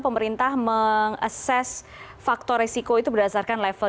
pemerintah meng assess faktor risiko itu berdasarkan level